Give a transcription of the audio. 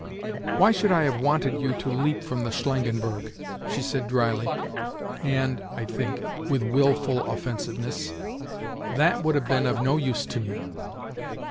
"Why should I have wanted you to leap from the Shlangenberg?" she said drily, and (I think) with wilful offensiveness. "That would have been of no use to me."